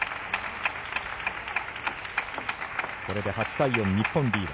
これで８対４、日本リード。